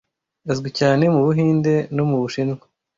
Azwi cyane mu Buhinde no mu Bushinwa.